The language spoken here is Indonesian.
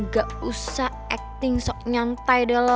gak usah acting sok nyantai dah lo